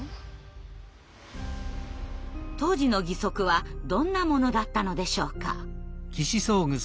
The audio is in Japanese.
当時の義足はどんなものだったのでしょうか。